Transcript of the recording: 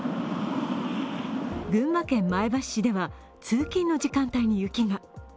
群馬県前橋市では通勤の時間帯に雪が。